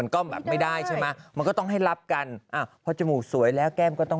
เอาเข้าที่ก็น่าเอาเข้าที่ก็น่าจะสักประมาณ